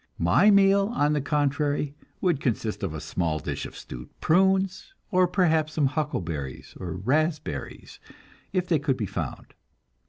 My meal, on the contrary, would consist of a small dish of stewed prunes, or perhaps some huckleberries or raspberries, if they could be found.